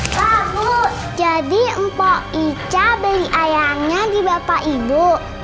tahu jadi mpok ica beli ayamnya di bapak ibu